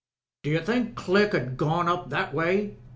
"Do you think Click 'ud ha' gone up that way?"